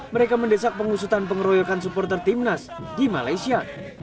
mereka mendesak pengusutan pengeroyokan supporter timnas di malaysia